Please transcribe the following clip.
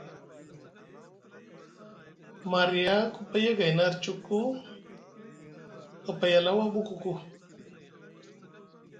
Marya ku paya gayni arcukku, kapay Alaw a ɓukuku.